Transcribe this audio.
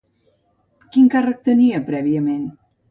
Quin càrrec tenia prèviament?